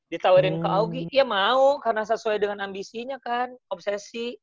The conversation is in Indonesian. ditawarin ke augi ya mau karena sesuai dengan ambisinya kan obsesi